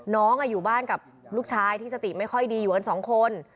น้องอยู่บ้านกับลูกชายที่สติไม่ค่อยดีอยู่กันสองคน